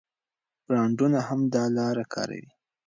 برانډونه هم دا لاره کاروي.